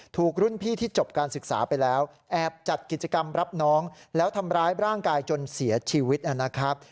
ถูกรุ่นพี่ที่จบการศึกษาไปแล้วแอบจัดกิจกรรมรับน้องแล้วทำร้ายร่างกายจนเสียชีวิตนะครับ